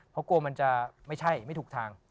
เพราะกลัวมันจะไม่ใช่ไม่ถูกทาง